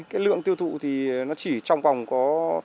cái lượng tiêu thụ thì nó chỉ trong vòng có